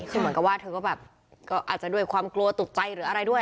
คือเหมือนกับว่าเธอก็แบบก็อาจจะด้วยความกลัวตกใจหรืออะไรด้วย